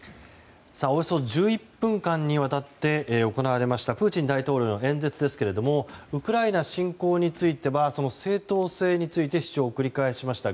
およそ１１分間にわたって行われたプーチン大統領の演説ですがウクライナ侵攻については正当性について主張を繰り返しました。